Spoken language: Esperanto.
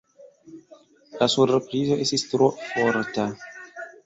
La surprizo estis tro forta.